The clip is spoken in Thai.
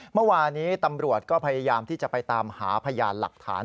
เมื่อวานี้ตำรวจก็พยายามที่จะไปตามหาพยานหลักฐาน